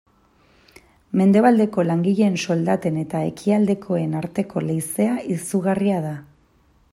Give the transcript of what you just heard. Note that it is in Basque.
Mendebaldeko langileen soldaten eta ekialdekoenen arteko leizea izugarria da.